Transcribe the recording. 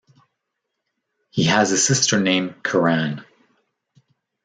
He has a sister named Kiran.